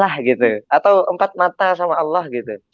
atau empat mata sama allah gitu